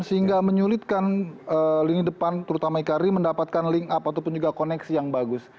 sehingga menyulitkan lini depan terutama ekari mendapatkan link up ataupun juga koneksi yang bagus